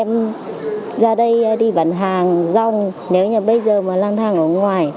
em ra đây đi bán hàng rong nếu như bây giờ mà lang thang ở ngoài